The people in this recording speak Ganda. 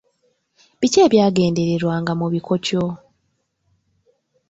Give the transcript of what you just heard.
Biki ebyagendererwanga mu bikokyo?